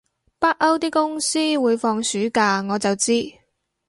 北歐啲公司會放暑假我就知